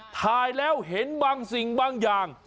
ถ่ายแล้วเห็นบางสิ่งบางอย่าง